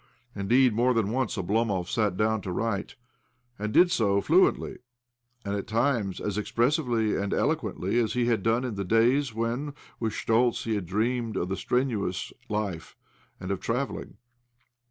Indeed, more than once Oblo mov sat down to write, and did so fluently, and, at times, as expressively and eloquently as he had done in the days when, with Schtoltz, he had dreamed of the strenuous life, and of travelling.